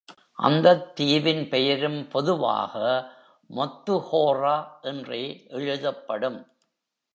அந்தத் தீவின் பெயரும் பொதுவாக "Mothuhora" என்றே எழுதப்படும்.